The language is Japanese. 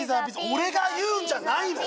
俺が言うんじゃないの？